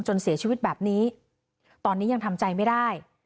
เสียชีวิตแบบนี้ตอนนี้ยังทำใจไม่ได้